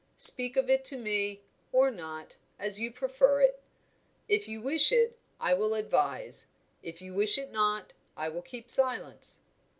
Speak of it to me, or not, as you prefer. If you wish it, I will advise; if you wish it not, I will keep silence."